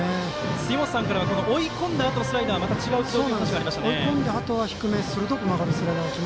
杉本さんからは追い込んだあとのスライダーはまた違う軌道という話がありましたね。